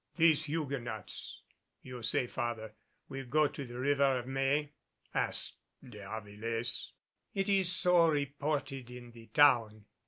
"These Huguenots, you say, father, will go to the River of May?" asked De Avilés. "It is so reported in the town.